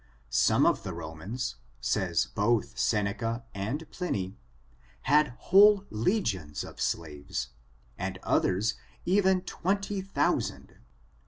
Some of the Romans, says both Seneca and Pliny, had whole legions of slaves, and otheii even twenty thousand.